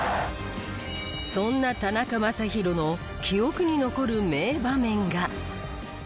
そんな田中将大の記憶に残る名場面が。